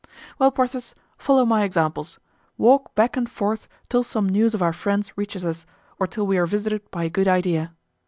"Well, Porthos, follow my examples; walk back and forth till some news of our friends reaches us or till we are visited by a good idea.